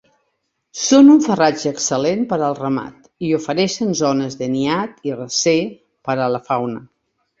Són un farratge excel·lent per al ramat i ofereixen zones de niat i recer per a la fauna.